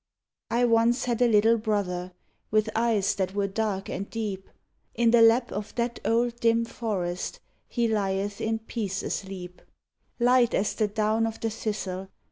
I once had a little brother. With eves that were dark and deep; In the lap of that old dim forest He lieth in peace asleep: Light as the down of the thistle.